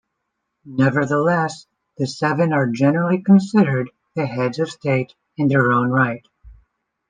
Nevertheless, the seven are generally considered the heads of state in their own right.